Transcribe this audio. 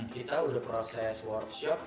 kita udah proses workshop